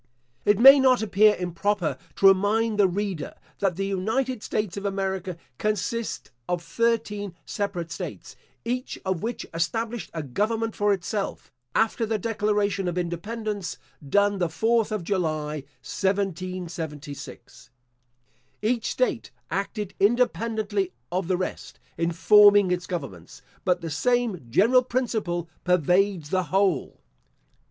It may not appear improper to remind the reader that the United States of America consist of thirteen separate states, each of which established a government for itself, after the declaration of independence, done the 4th of July, 1776. Each state acted independently of the rest, in forming its governments; but the same general principle pervades the whole.